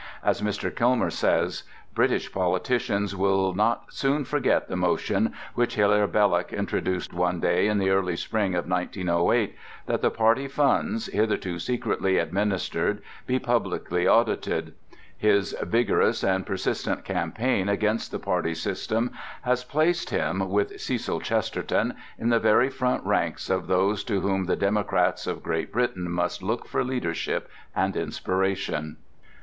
As Mr. Kilmer says, "British politicians will not soon forget the motion which Hilaire Belloc introduced one day in the early Spring of 1908, that the Party funds, hitherto secretly administered, be publicly audited. His vigorous and persistent campaign against the party system has placed him, with Cecil Chesterton, in the very front ranks of those to whom the democrats of Great Britain must look for leadership and inspiration."